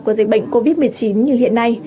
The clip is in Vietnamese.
của dịch bệnh covid một mươi chín như hiện nay